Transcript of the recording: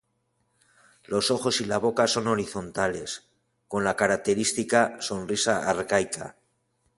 Los ojos y la boca son horizontales, con la característica sonrisa arcaica.